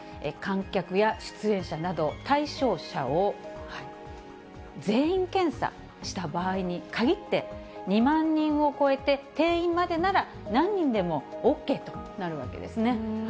観客や出演者など、対象者を全員検査した場合に限って、２万人を超えて定員までなら何人でもＯＫとなるわけですね。